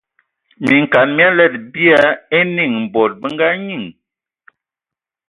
Minkana mia lədə bia enyiŋ bod bə nga nyiŋ.